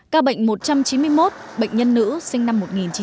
ca bệnh một trăm chín mươi một bệnh nhân nữ sinh năm một nghìn chín trăm tám mươi bốn